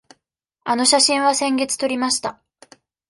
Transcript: あの写真は先月撮りました。